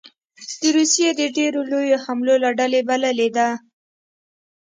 د روسیې د ډېرو لویو حملو له ډلې بللې ده